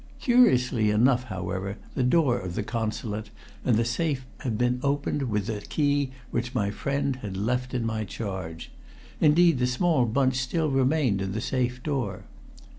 Curiously enough, however, the door of the Consulate and the safe had been opened with the keys which my friend had left in my charge. Indeed, the small bunch still remained in the safe door.